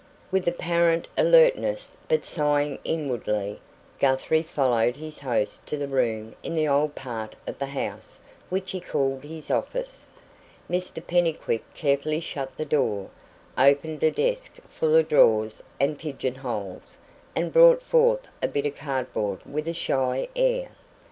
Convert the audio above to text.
With apparent alertness, but sighing inwardly, Guthrie followed his host to the room in the old part of the house which he called his office. Mr Pennycuick carefully shut the door, opened a desk full of drawers and pigeon holes, and brought forth a bit of cardboard with a shy air.